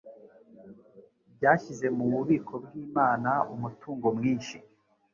byashyize mu bubiko bw'Imana umutungo mwinshi